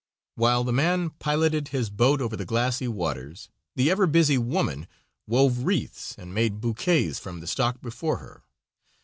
While the man piloted his boat over the glassy waters, the ever busy woman wove wreaths and made bouquets from the stock before her.